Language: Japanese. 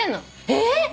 えっ！？